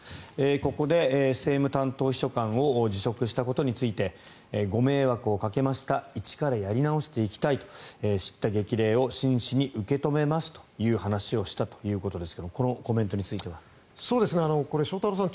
ここで、政務担当秘書官を辞職したことについてご迷惑をかけました一からやり直していきたいと叱咤激励を真摯に受け止めますという話をしたということですがこのコメントについては。これ、翔太郎さん